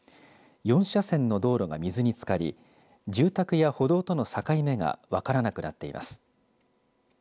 ４車線の道路が水につかり住宅や歩道との境目が分からなくなっています。